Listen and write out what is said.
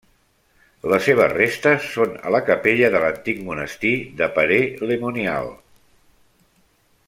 Les seves restes són a la capella de l'antic monestir de Paray-le-Monial.